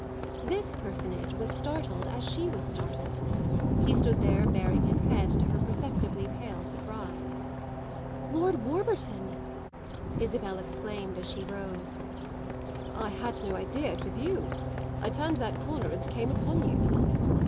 This personage was startled as she was startled; he stood there baring his head to her perceptibly pale surprise. "Lord Warburton!" Isabel exclaimed as she rose. "I had no idea it was you. I turned that corner and came upon you."